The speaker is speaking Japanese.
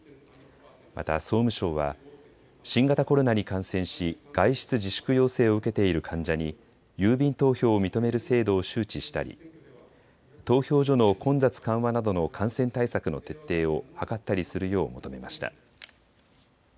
また総務省は新型コロナに感染し外出自粛要請を受けている患者に郵便投票を認める制度を周知したり投票所の混雑緩和などの感染対策の徹底を図ったりするよう求めました。